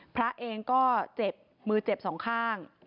พระเองก็เจ็บมือเจ็บสองข้าง